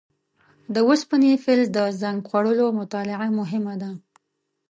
د اوسپنې فلز د زنګ خوړلو مطالعه مهمه ده.